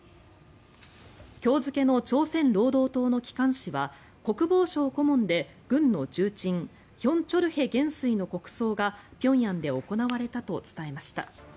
今日付の朝鮮労働党の機関紙は国防省顧問で軍の重鎮ヒョン・チョルヘ元帥の国葬が平壌で行われたと伝えました。